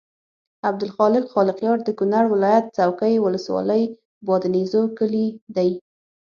عبدالخالق خالقیار د کونړ ولایت څوکۍ ولسوالۍ بادینزو کلي دی.